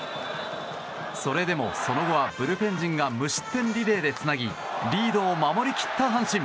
それでもその後はブルペン陣が無失点リレーでつなぎリードを守り切った阪神。